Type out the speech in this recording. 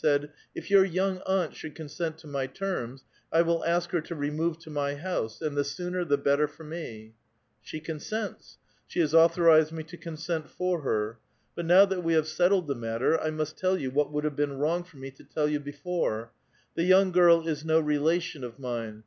said, '* If your young aunt should consent to my terms, I will ask her to remove to my house, and the sooner, the better for me." ^' She consents ; she has authorized me to consent for her. But now that we have settled the matter, I must tell vou what would have been wrong for me to tell you before : the young girl is no relation of mine.